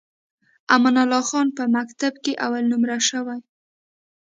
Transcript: امان الله خان په مکتب کې اول نمره شوی.